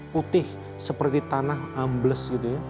putih seperti tanah ambles gitu ya